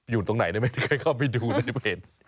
อยู่ตรงไหนได้ไหมใครเข้าไปดูในเพจ